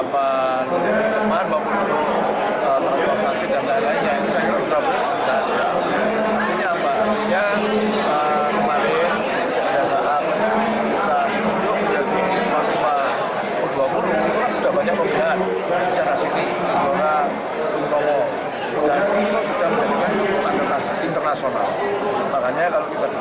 makanya kalau kita ditunjuk menjadi pembalas u dua puluh sudah banyak pembenahan di tanah air